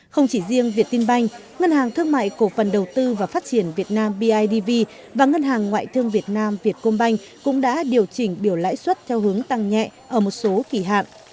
không chỉ riêng việt tin banh ngân hàng thương mại cổ phần đầu tư và phát triển việt nam bidv và ngân hàng ngoại thương việt nam vietcombank cũng đã điều chỉnh biểu lãi suất theo hướng tăng nhẹ ở một số kỳ hạn